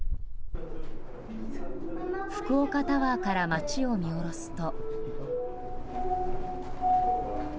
福岡タワーから街を見下ろすと。